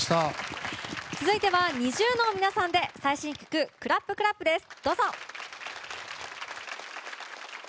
続いてはＮｉｚｉＵの皆さんで最新曲「ＣＬＡＰＣＬＡＰ」です。